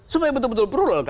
supaya betul betul perlu